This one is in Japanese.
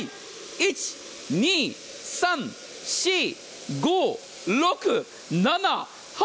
１、２、３、４、５６、７、８